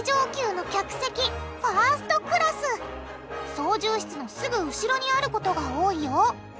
操縦室のすぐ後ろにあることが多いよ。